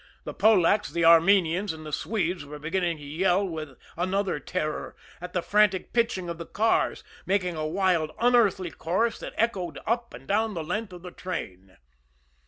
The Polacks, the Armenians, and the Swedes were beginning to yell with another terror, at the frantic pitching of the cars, making a wild, unearthly chorus that echoed up and down the length of the train.